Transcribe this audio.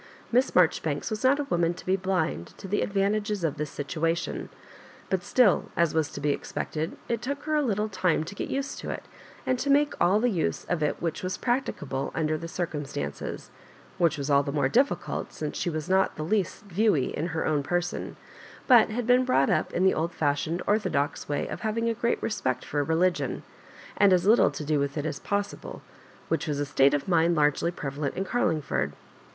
Miss Maijoribanks was not a woman to be blind to the advantages of this situation, but still, as was to be expected, it took her a little time to get used to it, and to make all the use of it which was practicable under the olrcamstancea — which was all the more difficult since she was not in the least " viewy.'.' in.h^ ownip€a»on, but had been brought, up in the old fashioned ortho dox way of having a great respect for religion, and as little to do with iLas possible, which was a state of mind lurgely prevalent m Carhngford.